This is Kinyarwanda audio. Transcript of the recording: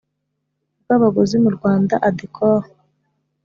Bw abaguzi mu rwanda adecor